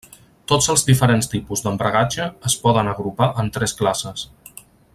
Tots els diferents tipus d'embragatge es poden agrupar en tres classes.